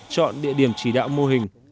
chọn địa điểm chỉ đạo mô hình